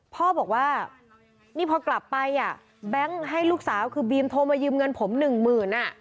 พ่อบอกว่านี่พอกลับไปอ่ะแบงค์ให้ลูกสาวคือบีมโทรมายืมเงินผมหนึ่งหมื่น